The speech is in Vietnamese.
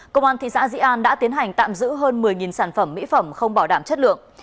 công an thị xã di an đã tiến hành tạm giữ hơn một mươi sản phẩm mỹ phẩm không bảo đảm chất lượng